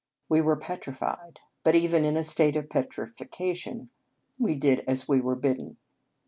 We were petrified; but, even in a state of petrification, we did as we were bidden.